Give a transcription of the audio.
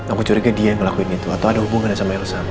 aku curiga dia yang ngelakuin itu atau ada hubungannya sama yang sama